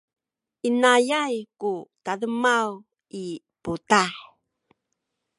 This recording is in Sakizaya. inayay ku tademaw i putah.